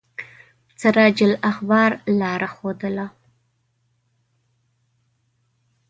سراج الاخبار لاره ښودله.